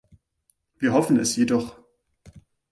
Wir hoffen es jedoch.